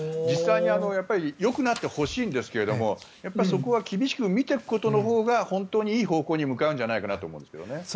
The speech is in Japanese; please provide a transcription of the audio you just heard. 実際によくなってほしいんですけれどもそこは厳しく見ていくことのほうが本当にいい方向に向かうんじゃないかなと思うんですけどね。